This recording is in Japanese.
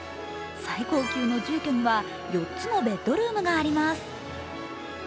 最高級の住居には４つのベッドルームがあります。